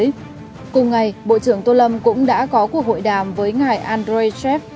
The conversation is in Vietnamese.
cùng ngày bộ trưởng tô lâm cũng đã có cuộc hội đàm với ngài andrei shev